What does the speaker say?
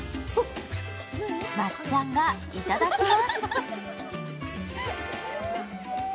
まっちゃんがいただきます。